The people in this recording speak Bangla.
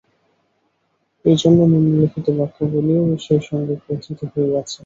এইজন্য নিম্নলিখিত বাক্যগুলিও এই সঙ্গে কথিত হইয়াছে।